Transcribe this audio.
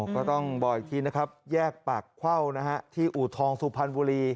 ก็ต้องบอกอีกทีแยกภาพเข้าที่อุทองสุพรรณพุรี